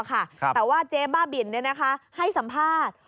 แต่ว่าเจ๊บ้าบินให้สัมภาษณ์